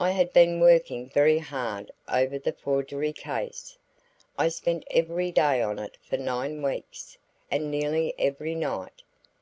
I had been working very hard over the forgery case; I spent every day on it for nine weeks and nearly every night.